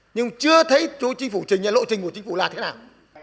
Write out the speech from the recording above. nhưng chưa thấy cho chính phủ trình là lộ trình của chính phủ là thế nào